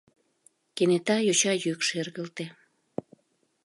Кенета йоча йӱк шергылте: